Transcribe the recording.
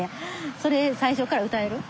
それ最初から歌える？